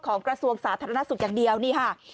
กระทรวงสาธารณสุขอย่างเดียวนี่ค่ะ